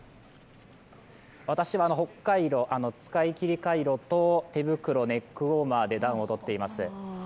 私はホッカイロ、使いきりカイロと手袋、ネックウォーマーで暖をとっています。